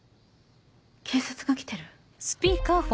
警察が来てる？